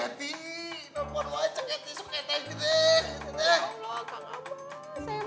nampak nampak ceketi ceketi ceketi ceketi ceketi